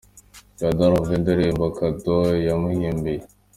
Kanda hano wumve indirimbo' Kado' yamuhimbiye.